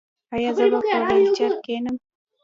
ایا زه به په ویلچیر کینم؟